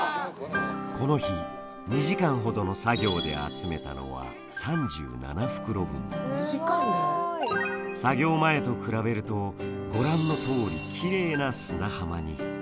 この日２時間ほどの作業で集めたのは作業前と比べるとご覧のとおりきれいな砂浜に。